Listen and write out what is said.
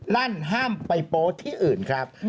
ลั่นห้ามไปโป๊ที่อื่นครับ